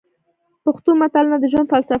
پښتو متلونه د ژوند فلسفه ده.